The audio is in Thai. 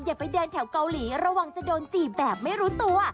อย่าไปเดินแถวเกาหลีระวังจะโดนจีบแบบไม่รู้ตัว